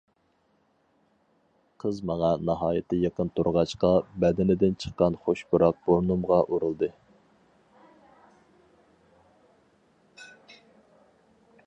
قىز ماڭا ناھايىتى يېقىن تۇرغاچقا، بەدىنىدىن چىققان خۇش پۇراق بۇرنۇمغا ئۇرۇلدى.